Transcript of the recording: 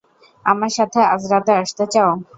আমার সাথে আজ রাতে আসতে চাও?